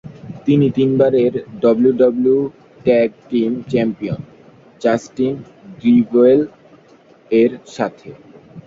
তিনি তিনবারের WWE tag team champion, Justin Gabriel এর সাথে।